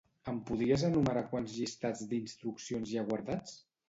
Em podries enumerar quants llistats d'instruccions hi ha guardats?